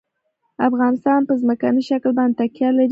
افغانستان په ځمکنی شکل باندې تکیه لري.